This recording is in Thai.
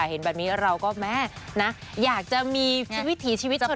เห็นแบบนี้แล้วก็แม่อยากจะมีชีวิตถนนบน